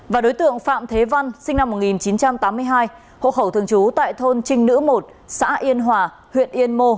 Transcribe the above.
và đối tượng phạm thế văn sinh năm một nghìn chín trăm tám mươi hai hộ khẩu thường trú tại thôn trinh nữ một xã yên hòa huyện yên mô